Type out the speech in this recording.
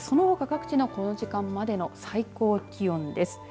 そのほか、各地のこの時間までの最高気温です。